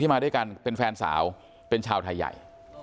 มาด้วยกันเป็นแฟนสาวเป็นชาวไทยใหญ่